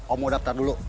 om mau daftar dulu